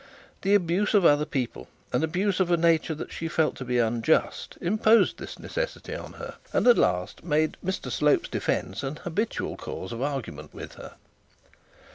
The abuse of other people, and abuse of a nature that she felt to be unjust, imposed that necessity on her, and at last made Mr Slope's defence an habitual course of argument with her.